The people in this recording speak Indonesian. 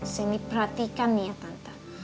sini perhatikan nih ya tante